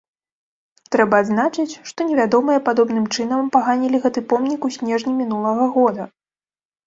Трэба адзначыць, што невядомыя падобным чынам апаганілі гэты помнік ў снежні мінулага года.